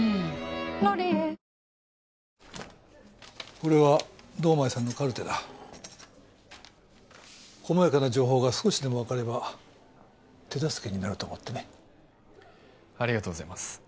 これは堂前さんのカルテだ細やかな情報が少しでも分かれば手助けになると思ってねありがとうございます